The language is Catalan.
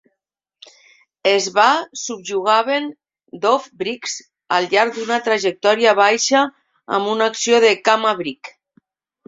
Es va subjugaven d'off-breaks al llarg d'una trajectòria baixa amb una acció de cama-Break.